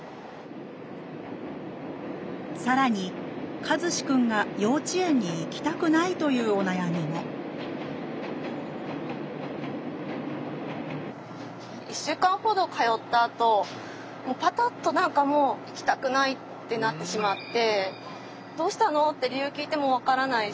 更に和志くんが幼稚園に行きたくないというお悩みも１週間ほど通ったあともうパタッと何かもう「行きたくない」ってなってしまって。